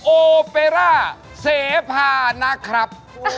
โอเปร่าเสพานะครับ